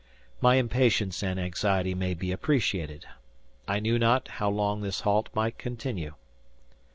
My impatience and anxiety may be appreciated. I knew not how long this halt might continue.